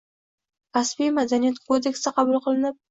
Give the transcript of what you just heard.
“Kasbiy madaniyat kodeksi” qabul qilinib